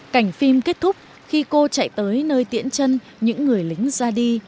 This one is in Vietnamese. cảnh phim kết thúc khi cô chạy tới nơi tiễn chân những người lính ra đi